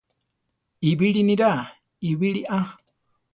Ibiri niraa ibiri á.